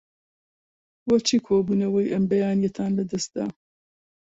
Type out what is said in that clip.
بۆچی کۆبوونەوەی ئەم بەیانییەتان لەدەست دا؟